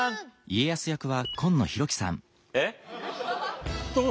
えっ？